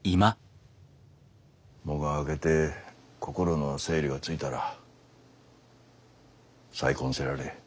喪が明けて心の整理がついたら再婚せられえ。